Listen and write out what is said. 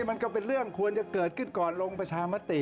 มันก็เป็นเรื่องควรจะเกิดขึ้นก่อนลงประชามติ